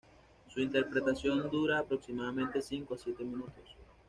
Su interpretación dura aproximadamente cinco o siete minutos.